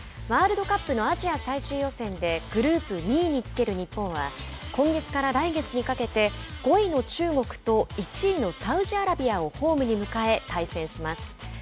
ワールドカップのアジア最終予選でグループ２位につける日本は今月から来月にかけて５位の中国と１位のサウジアラビアをホームに迎え、対戦します。